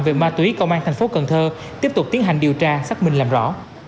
về ma túy công an thành phố cần thơ tiếp tục tiến hành điều tra xác minh làm rõ